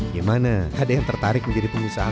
gimana ada yang tertarik menjadi pengusaha